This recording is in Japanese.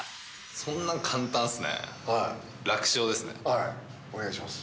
そんな簡単すね。